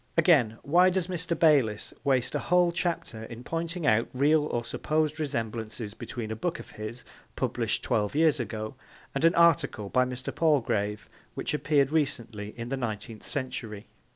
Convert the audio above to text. Again, why does Mr. Bayliss waste a whole chapter in pointing out real or supposed resemblances between a book of his published twelve years ago and an article by Mr. Palgrave which appeared recently in the Nineteenth Century?